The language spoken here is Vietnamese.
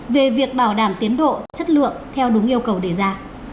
về việc bảo đảm tiến độ chất lượng theo đúng yêu cầu đề ra